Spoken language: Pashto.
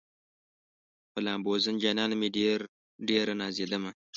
په لامبوزن جانان مې ډېره نازېدمه